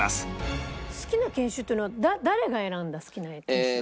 好きな犬種っていうのは誰が選んだ好きな犬種なの？